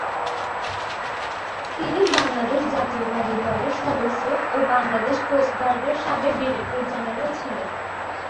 তিনি বাংলাদেশ জাতীয়তাবাদী দলের সদস্য ও বাংলাদেশ কোস্ট গার্ড এর সাবেক ডিরেক্টর জেনারেল ছিলেন।